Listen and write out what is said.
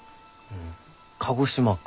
ん鹿児島か。